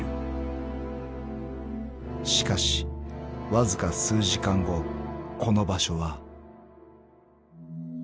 ［しかしわずか数時間後この場所は］